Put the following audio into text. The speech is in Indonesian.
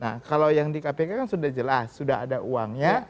nah kalau yang di kpk kan sudah jelas sudah ada uangnya